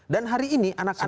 dan hari ini anak anak mereka